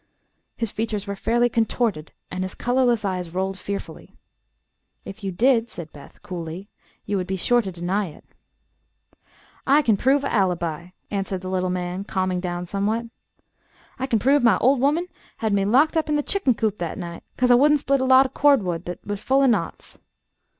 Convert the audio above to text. His features were fairly contorted, and his colorless eyes rolled fearfully. "If you did," said Beth, coolly, "you would be sure to deny it." "I kin prove a alybi," answered the little man, calming down somewhat. "I kin prove my ol' woman had me locked up in the chicken coop thet night 'cause I wouldn't split a lot o' cordwood thet were full o' knots."